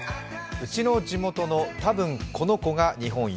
「ウチの地元のたぶんこの子が日本一」。